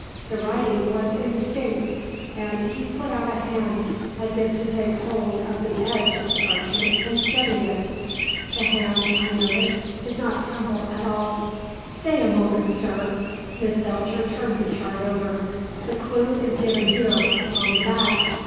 The writing was indistinct, and he put out a hand as if to take hold of the edge of the parchment and steady it. The hand, I noticed, did not tremble at all. "Stay a moment, sir." Miss Belcher turned the chart over. "The clue is given here, upon the back.